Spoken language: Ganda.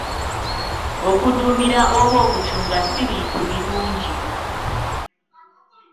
Okuduumira oba okucunga si bintu birungi.